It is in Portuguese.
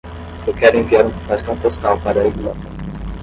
Eu quero enviar um cartão postal para a Irlanda.